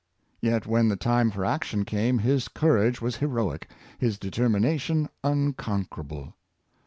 Yet, when the time for action came, his courage was heroic, his determina tion unconquerable.